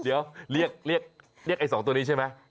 เดี๋ยวเรียกไอ้๒ตัวนี้ใช่ไหม